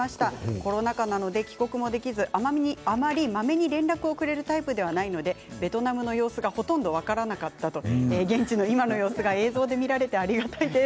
コロナ禍なので帰国もできずまめに連絡をくれるタイプではないのでベトナムの様子がほとんど分からなかったんですが現地の今の様子が映像で見られてありがたいです。